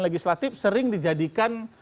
legislatif sering dijadikan